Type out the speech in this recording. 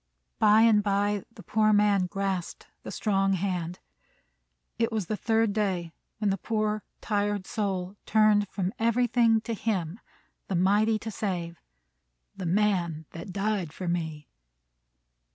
By and by the poor man grasped the strong hand. It was the third day when the poor, tired soul turned from everything to him, the Mighty to save, "the Man that died for me."